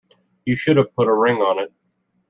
You should have put a ring on it.